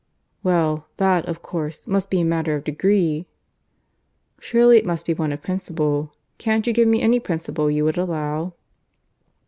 "Well, that, of course, must be a matter of degree." "Surely it must be one of principle. ... Can't you give me any principle you would allow?"